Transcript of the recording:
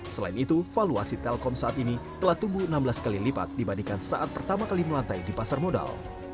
selain itu valuasi telkom saat ini telah tumbuh enam belas kali lipat dibandingkan saat pertama kali melantai di pasar modal